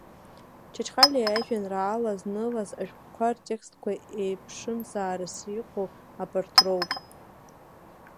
Чачхалиа иажәеинраала знылаз ашәҟәқәа ртекстқәа еиԥшымзаарас иҟоу абарҭ роуп.